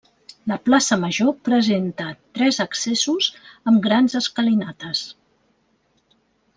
La Plaça Major presenta tres accessos amb grans escalinates.